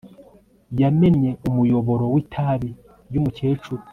yamennye umuyoboro w'itabi ry'umukecuru